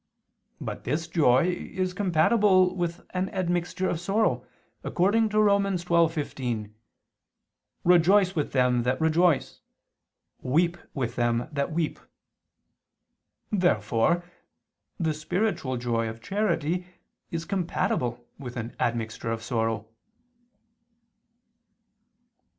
But this joy is compatible with an admixture of sorrow, according to Rom. 12:15: "Rejoice with them that rejoice, weep with them that weep." Therefore the spiritual joy of charity is compatible with an admixture of sorrow.